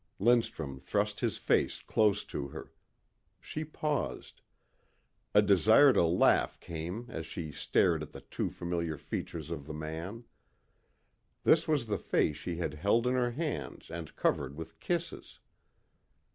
Lindstrum thrust his face close to her. She paused. A desire to laugh came as she stared at the too familiar features of the man. This was the face she had held in her hands and covered with kisses.